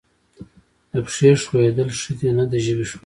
د پښې ښویېدل ښه دي نه د ژبې ښویېدل.